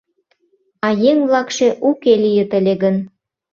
А еҥ-влакше уке лийыт ыле гын?